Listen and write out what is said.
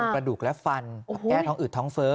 กระดูกและฟันแก้ท้องอืดท้องเฟ้อ